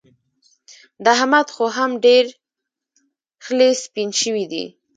د احمد خو هم ډېر خلي سپين شوي دي.